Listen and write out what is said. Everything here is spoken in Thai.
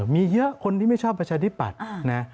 มีเยอะคนที่ไม่ชอบประชาธิปัตย์นะ